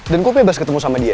dan gue bebas ketemu sama dia